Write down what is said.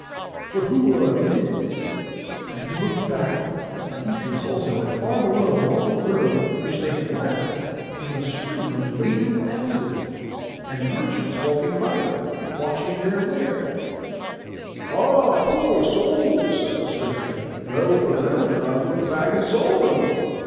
But who are these?' and he looked back, and Theseus also; and far below, along the road which they had left, came a string of laden asses, and merchants walking by them, watching their ware. 'Ah, poor souls!' said the stranger. 'Well for them that I looked back and saw them!